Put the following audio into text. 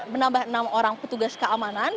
menambah enam orang petugas keamanan